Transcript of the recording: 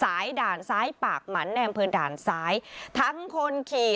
สายด่านสายปากหมันแดนเพราะด่านซ้ายทั้งคนขี่